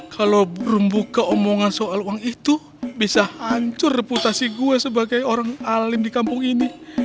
kalau membuka omongan soal uang itu bisa hancur reputasi gue sebagai orang alim di kampung ini